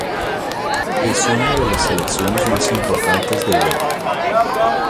Es una de las selecciones más importantes de Europa.